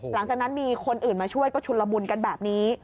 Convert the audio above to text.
หลังจากนั้นมีคนอื่นมาช่วยก็ชุนละมุนกันแบบนี้